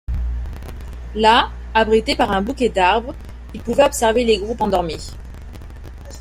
Là, abrités par un bouquet d’arbres, ils pouvaient observer les groupes endormis.